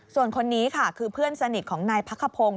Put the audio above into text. ส่วนคนนี้ค่ะคือเพื่อนสนิทของนายพักขพงศ์